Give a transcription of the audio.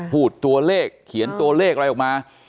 พูดตัวเลขเขียนตัวเลขอะไรออกมา